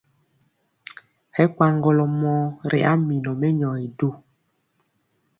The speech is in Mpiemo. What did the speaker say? Hɛ kwaŋgɔlɔ mɔɔ ri a minɔ mɛnyɔgi du.